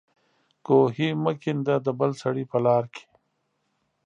کوهي مه کېنده د بل سړي په لار کې